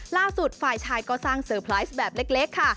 ฝ่ายชายก็สร้างเซอร์ไพรส์แบบเล็กค่ะ